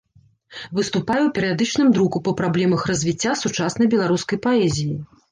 Выступае ў перыядычным друку па праблемах развіцця сучаснай беларускай паэзіі.